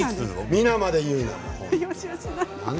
皆まで言うな。